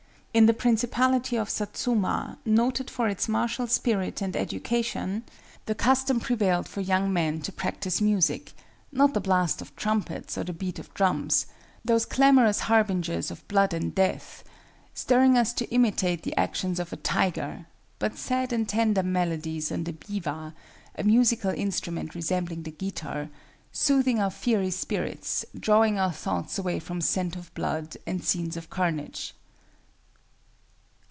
In the principality of Satsuma, noted for its martial spirit and education, the custom prevailed for young men to practice music; not the blast of trumpets or the beat of drums,—"those clamorous harbingers of blood and death"—stirring us to imitate the actions of a tiger, but sad and tender melodies on the biwa, soothing our fiery spirits, drawing our thoughts away from scent of blood and scenes of carnage.